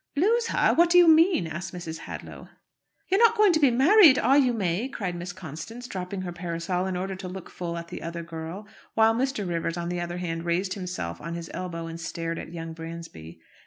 "Lose her! What do you mean?" asked Mrs. Hadlow. "You're not going to be married, are you, May?" cried Miss Constance, dropping her parasol in order to look full at the other girl; while Mr. Rivers, on the other hand, raised himself on his elbow and stared at young Bransby.